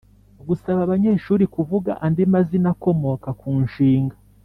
Gusaba abanyeshuri kuvuga andi mazina akomoka ku nshinga